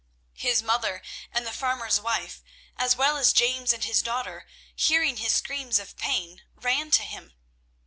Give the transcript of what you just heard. His mother and the farmer's wife, as well as James and his daughter, hearing his screams of pain, ran to him.